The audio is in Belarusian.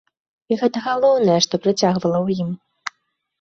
І гэта галоўнае, што прыцягвала ў ім.